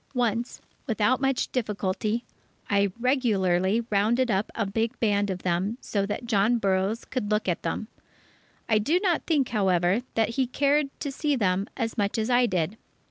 Once, without much difficulty, I regularly rounded up a big band of them so that John Burroughs could look at them. I do not think, however, that he cared to see them as much as I did.